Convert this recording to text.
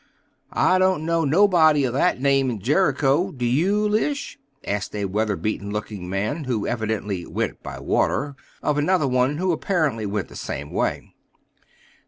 "I don't know nobody o' that name in Jericho. Do you, Lishe?" asked a weather beaten looking man, who evidently "went by water," of another one who apparently went the same way.